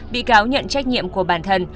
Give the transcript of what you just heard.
bị cáo nhận trách nhiệm của bản thân